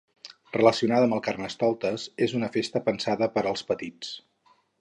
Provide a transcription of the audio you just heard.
Relacionada amb el Carnestoltes, és una festa pensada per als petits.